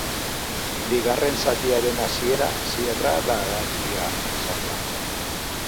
Bigarren zatiaren hasiera zirraragarria izan da.